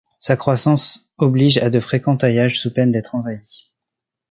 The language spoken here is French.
Sa croissance oblige à de fréquents taillages sous peine d'être envahi.